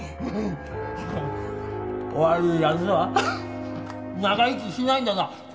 悪い奴は長生きしないんだな。